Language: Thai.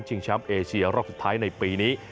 แชมป์เอเชียรอบสุดท้ายในปีนี้